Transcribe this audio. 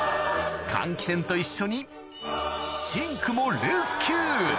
換気扇と一緒にシンクもレスキュー